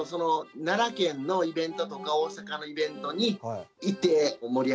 奈良県のイベントとか大阪のイベントに行って盛り上げております。